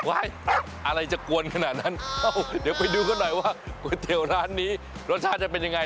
อะไรจะกวนขนาดนั้นเดี๋ยวไปดูกันหน่อยว่าก๋วยเตี๋ยวร้านนี้รสชาติจะเป็นยังไง